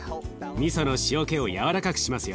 みその塩気をやわらかくしますよ。